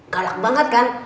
galak banget kan